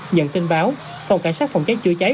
nhận tin báo phòng cảnh sát phòng cháy chữa cháy